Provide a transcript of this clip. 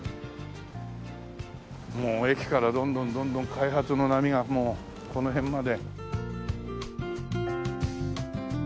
駅からどんどんどんどん開発の波がもうこの辺まで。